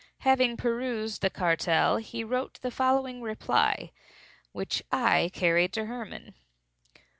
Having perused the cartel, he wrote the following reply, which I carried to Hermann.